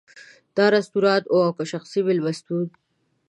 دا رستورانت و او که شخصي مېلمستون.